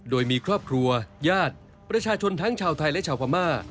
โดยมีครอบครัวญาติประชาชนทั้งชาวไทยและชาวพม่า